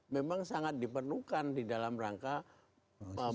memang sangat diperlukan di dalam rangka